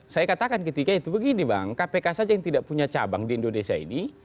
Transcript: saya katakan ketika itu begini bang kpk saja yang tidak punya cabang di indonesia ini